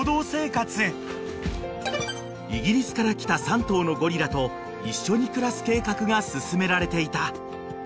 ［イギリスから来た３頭のゴリラと一緒に暮らす計画が進められていた］